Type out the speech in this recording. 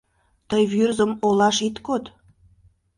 — Тый Вӱрзым олаш ит код.